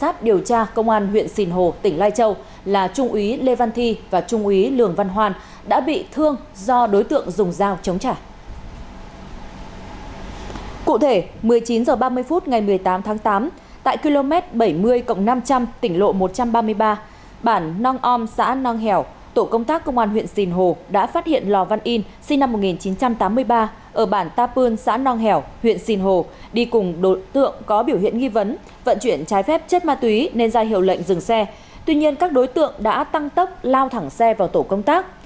tuy nhiên các đối tượng đã tăng tốc lao thẳng xe vào tổ công tác